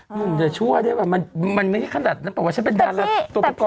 หนูจะชั่วมันไม่ใช่ขนาดนั้นป่าวว่าฉันเป็นดาลักษณ์ตัวประกอบ